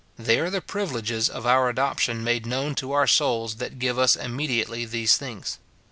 They are the privileges of our adoption made known to our souls that give us immediately these things.